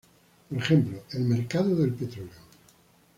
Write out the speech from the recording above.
Por ejemplo, el mercado del petróleo.